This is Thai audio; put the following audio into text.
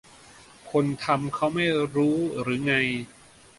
คนทำเค้าไม่รู้หรือไง